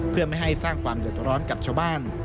เพื่อไม่ให้สร้างความเดือดร้อนกับชาวบ้าน